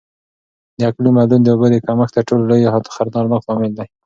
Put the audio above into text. د اقلیم بدلون د اوبو د کمښت تر ټولو لوی او خطرناک لامل دی.